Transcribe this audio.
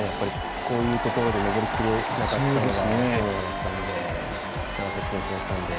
こういうところで登りきれなかったのが楢崎選手だったので。